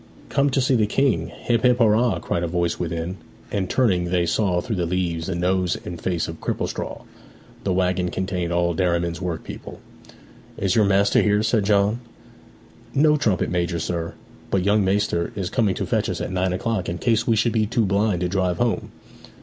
'Come to see the King, hip hip hurrah!' cried a voice within, and turning they saw through the leaves the nose and face of Cripplestraw. The waggon contained all Derriman's workpeople. 'Is your master here?' said John. 'No, trumpet major, sir. But young maister is coming to fetch us at nine o'clock, in case we should be too blind to drive home.'